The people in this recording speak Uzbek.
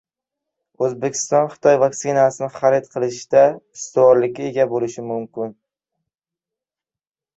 O‘zbekiston Xitoy vaksinasini xarid qilishda ustuvorlikka ega bo‘lishi mumkin